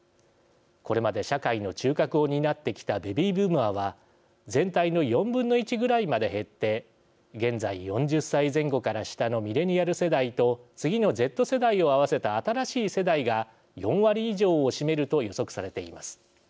これまで社会の中核を担ってきたベビーブーマーは全体の４分の１ぐらいまで減って現在４０歳前後から下のミレニアル世代と次のＺ世代を合わせた新しい世代が４割以上を占めると予測されています。